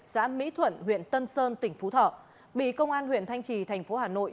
xã mỹ thuận huyện tân sơn tỉnh phú thọ bị công an huyện thanh trì thành phố hà nội